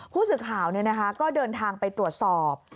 ผู้สื่อข่าวก็เดินทางไปตรวจสอบ